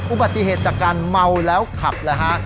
อุบัติเหตุจากการเมาแล้วขับเลยฮะ